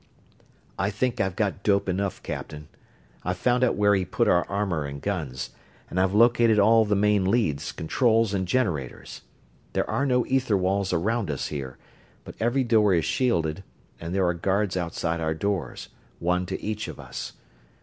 "I think I've got dope enough, Captain. I've found out where he put our armor and guns, and I've located all the main leads, controls, and generators. There are no ether walls around us here, but every door is shielded, and there are guards outside our doors one to each of us.